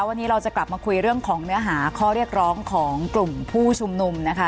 วันนี้เราจะกลับมาคุยเรื่องของเนื้อหาข้อเรียกร้องของกลุ่มผู้ชุมนุมนะคะ